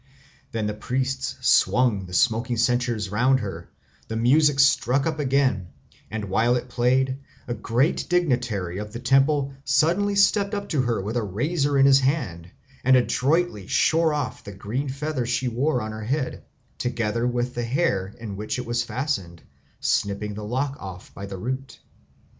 Then the priests swung the smoking censers round her; the music struck up again, and while it played, a great dignitary of the temple suddenly stepped up to her with a razor in his hand and adroitly shore off the green feather she wore on her head, together with the hair in which it was fastened, snipping the lock off by the root.